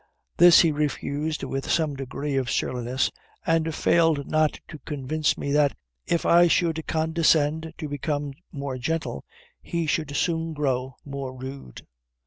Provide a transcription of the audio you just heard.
This he refused with some degree of surliness, and failed not to convince me that, if I should condescend to become more gentle, he would soon grow more rude.